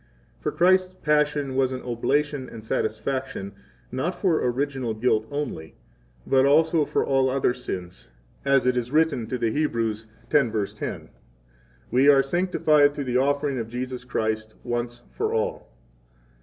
For Christ's passion 25 was an oblation and satisfaction, not for original guilt only, but also for all other sins, as it is written to the Hebrews 10:10: 26 We are sanctified through the offering of Jesus Christ once for all.